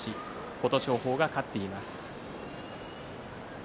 琴勝峰が勝っています。